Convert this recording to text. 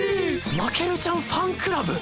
まけるちゃんファンクラブ？